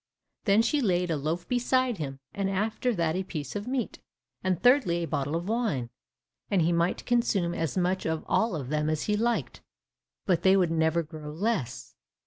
Then she laid a loaf beside him, and after that a piece of meat, and thirdly a bottle of wine, and he might consume as much of all of them as he liked, but they would never grow less.